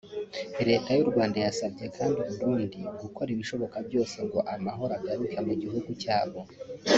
Leta y’u Rwanda yasabye kandi u Burundi gukora ibishoboka byose ngo amahoro agaruke mu gihugu cyabo